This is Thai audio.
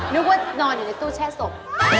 นึกว่านอนอยู่ในตู้แช่ศพ